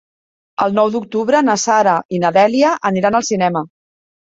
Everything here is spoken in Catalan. El nou d'octubre na Sara i na Dèlia aniran al cinema.